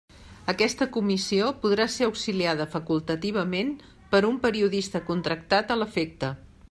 Aquesta Comissió podrà ser auxiliada facultativament per un periodista contractat a l'efecte.